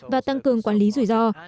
và tăng cường quản lý rủi ro